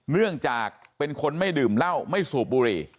เนื่องจากเป็นคนไม่ดื่มเหล้าไม่สูบบุหรี่